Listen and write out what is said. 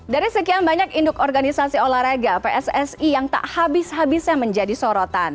dari sekian banyak induk organisasi olahraga pssi yang tak habis habisnya menjadi sorotan